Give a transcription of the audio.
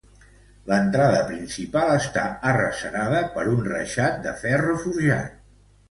L'entrada principal està arrecerada per un reixat de ferro forjat.